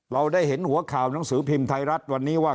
เราได้เห็นหัวข่าวหนังสือพิมพ์ไทยรัฐวันนี้ว่า